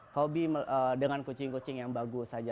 hobi dengan kucing kucing yang bagus saja